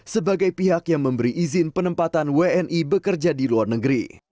sebagai pihak yang memberi izin penempatan wni bekerja di luar negeri